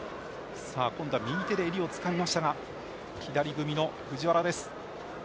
今度は右手で襟をつかみましたが左組みの藤原です。